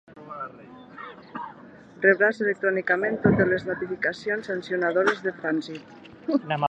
Rebràs electrònicament totes les notificacions sancionadores de trànsit.